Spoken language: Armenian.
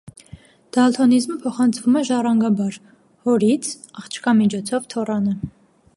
Դալթոնիզմը փոխանցվում է ժառանգաբար՝ հորից, աղջկա միջոցով՝ թոռանը։